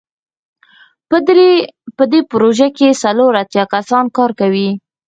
په دې پروژه کې څلور اتیا کسان کار کوي.